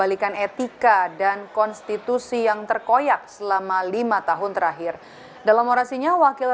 balikan etika dan konstitusi yang terkoyak selama lima tahun terakhir dalam orasinya wakil